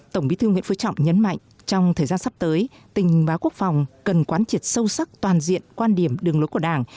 tổng bí thư nguyễn phú trọng nhấn mạnh trong thời gian sắp tới tình báo quốc phòng cần quán triệt sâu sắc toàn diện quan điểm đường lối của đảng